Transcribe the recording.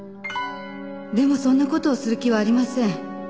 「でもそんな事をする気はありません」